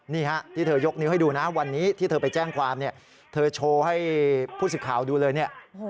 นี่ฮะที่เธอยกนิ้วให้ดูนะวันนี้ที่เธอไปแจ้งความเนี่ยเธอโชว์ให้ผู้สิทธิ์ข่าวดูเลยเนี่ย